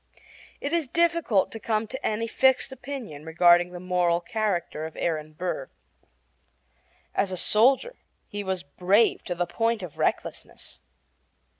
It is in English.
It is difficult to come to any fixed opinion regarding the moral character of Aaron Burr. As a soldier he was brave to the point of recklessness.